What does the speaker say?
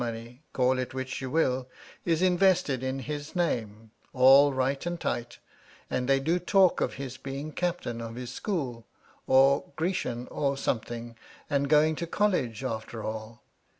'money, call it which you will, — is invested in his 'name, all right and tight, and they do talk of his ' being captain of his school, or Grecian, or something, ' and going to college, after all